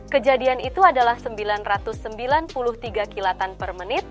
kejadian itu adalah sembilan ratus sembilan puluh tiga klatan per menit